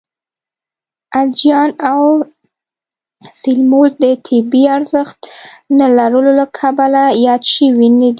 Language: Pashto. الجیان او سلیمولد د طبی ارزښت نه لرلو له کبله یاد شوي نه دي.